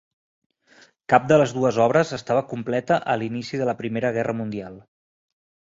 Cap de les dues obres estava completa a l'inici de la Primera Guerra Mundial.